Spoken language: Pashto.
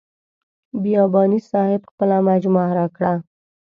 بیاباني صاحب خپله مجموعه راکړه.